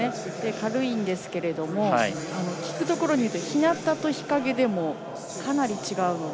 軽いんですけども聞くところによると日なたと日陰でもかなり違うので。